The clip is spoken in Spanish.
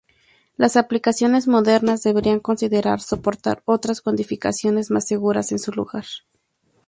Las aplicaciones modernas deberían considerar soportar otras codificaciones más seguras en su lugar.